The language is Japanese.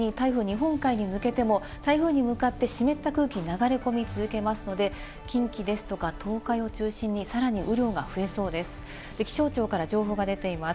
このように台風、日本海に向けても、台風に向かって湿った空気が流れ込み続けますので、近畿ですとか東海を中心に、さらに雨量が増えそうです。